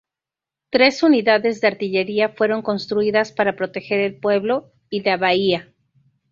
Tres unidades de artillería fueron construidas para proteger el pueblo y la bahía.